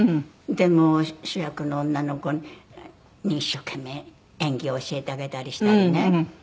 でもう主役の女の子に一生懸命演技を教えてあげたりしたりね。